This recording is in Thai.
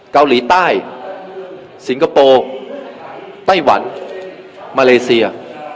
เกาหลีใต้สิงคโปร์ไต้หวันมาเลเซีย